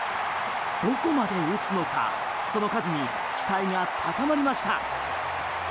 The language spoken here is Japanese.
どこまで打つのかその数に期待が高まりました。